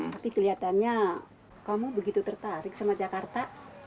tapi kelihatannya kamu begitu tertarik sama jakarta